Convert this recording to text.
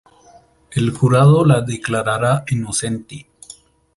El jurado la declarará inocente.